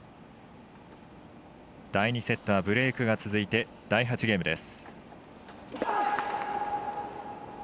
第２セットはブレークが続いて第８ゲームです。